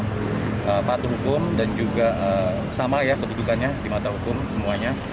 yang patuh hukum dan juga sama ya kedudukannya di mata hukum semuanya